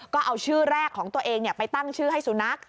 ก็เอาชื่อแรกของตัวเองไปตั้งชื่อให้สุนัข